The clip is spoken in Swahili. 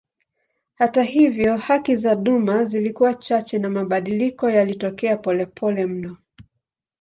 Hata hivyo haki za duma zilikuwa chache na mabadiliko yalitokea polepole mno.